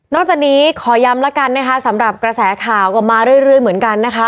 นอกจากนี้ขอยำแล้วกันสำหรับกระแสข่าวกลับมาเรื่อยเหมือนกัน